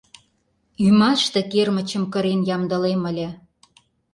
— Ӱмаште кермычым кырен ямдылем ыле.